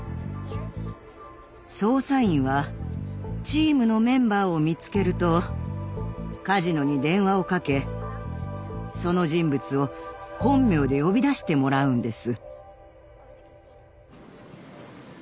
捜査員はチームのメンバーを見つけるとカジノに電話をかけその人物を本名で呼び出してもらうんです。